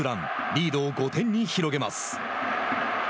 リードを５点に広げます。